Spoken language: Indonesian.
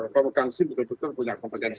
kompetensi betul betul punya kompetensi